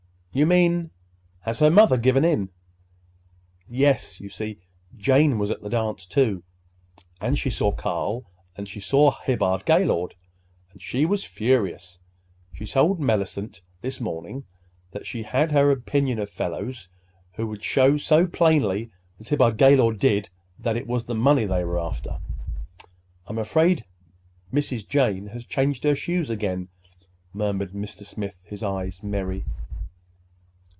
"You mean—Has her mother given in?" "Yes. You see, Jane was at the dance, too, and she saw Carl, and she saw Hibbard Gaylord. And she was furious. She told Mellicent this morning that she had her opinion of fellows who would show so plainly as Carl Pennock and Hibbard Gaylord did that it was the money they were after." "I'm afraid—Mrs. Jane has changed her shoes again," murmured Mr. Smith, his eyes merry.